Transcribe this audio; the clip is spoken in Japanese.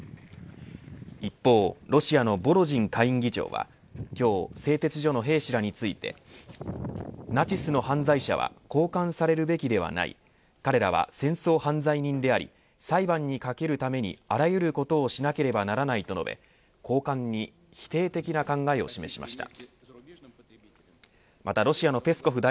一方、ロシアのボロジン下院議長は今日、製鉄所の兵士らについてナチスの犯罪者は交換されるべきではない彼らは戦争犯罪人であり裁判にかけるためにあらゆることをしなければならないと述べ交換に否定的な考えを示しました。